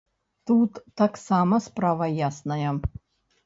Тут таксама справа ясная.